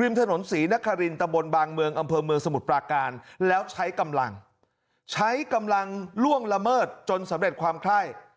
ริมถนนศรีนครินตะบนบางเมืองอำเภอเมืองสมุทรปราการแล้วใช้กำลังใช้กำลังล่วงละเมิดจนสำเร็จความไข้